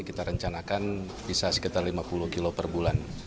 kita rencanakan bisa sekitar lima puluh kilo per bulan